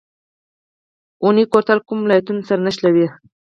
اونی کوتل کوم ولایتونه سره نښلوي؟